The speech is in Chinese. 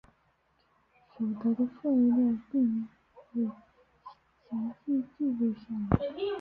所得的份量并会详细记录下来。